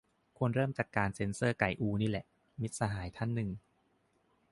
ควรเริ่มจากการเซ็นเซอร์ไก่อูนี่แหละ - มิตรสหายท่านหนึ่ง